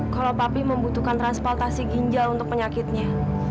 kalau papi membutuhkan transportasi ginjal untuk penyakitnya